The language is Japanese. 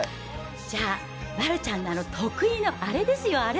じゃあ丸ちゃんの、あの得意のあれですよ、あれ。